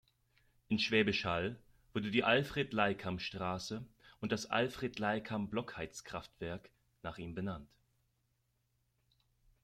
In Schwäbisch Hall wurde die "Alfred-Leikam-Straße" und das "Alfred-Leikam-Blockheizkraftwerk" nach ihm benannt.